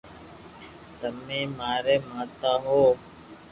تمي ماري ماتا ھون